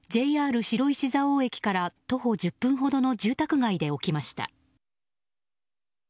ＪＲ白石蔵王駅から徒歩１０分ほどの住宅街で起きました。